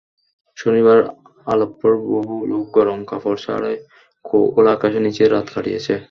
শনিবার আলেপ্পোর বহু লোক গরম কাপড় ছাড়াই খোলা আকাশের নিচে রাত কাটিয়েছে।